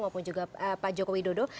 maupun juga pak joko widodo